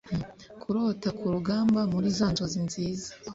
kurota kurugamba muri zanzozi nziza